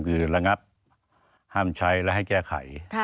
คือระงับห้ามใช้และให้แก้ไข